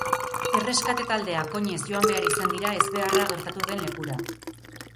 Erreskate taldeak oinez joan behar izan dira ezbeharra gertatu den lekura.